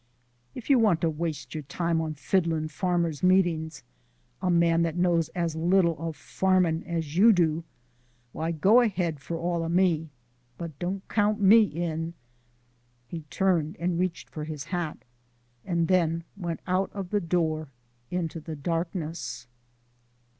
"If you want to waste your time on fiddlin' farmers' meetings a man that knows as little of farmin' as you do why go ahead for all o' me. But don't count me in." He turned, reached for his hat, and then went out of the door into the darkness.